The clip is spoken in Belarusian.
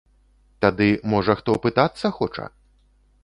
Тады можа хто пытацца хоча?